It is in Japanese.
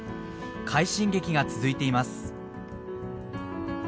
快進撃が続いています。